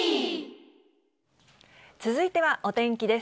続いてはお天気です。